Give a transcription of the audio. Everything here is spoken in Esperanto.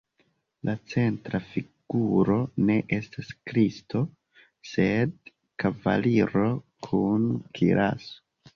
La centra figuro ne estas Kristo sed kavaliro kun kiraso.